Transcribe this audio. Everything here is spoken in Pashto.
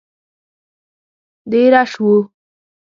دېره شوو.